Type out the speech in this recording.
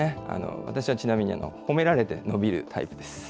私はちなみに褒められて伸びるタイプです。